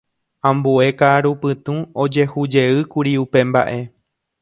Ambue ka'arupytũ ojehujeýkuri upe mba'e.